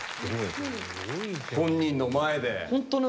本人の前で。